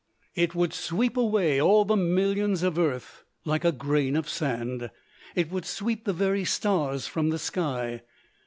It would sweep away all the millions of earth like a grain of sand. It would sweep the very stars from the sky.